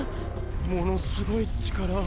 ものすごい力を。